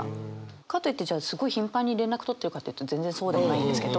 かといってすごい頻繁に連絡取ってるかというと全然そうでもないんですけど。